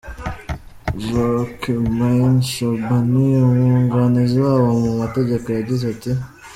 Jacquemain Shabani, umwunganizi wabo mu mategeko, yagize ati:.